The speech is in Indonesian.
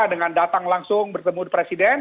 dengan datang langsung bertemu presiden